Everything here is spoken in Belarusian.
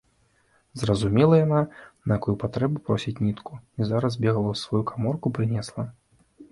Зразумела яна, на якую патрэбу просіць нітку і зараз збегала ў сваю каморку, прынесла.